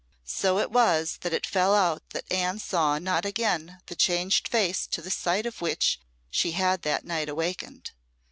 So it was that it fell out that Anne saw not again the changed face to the sight of which she had that night awakened.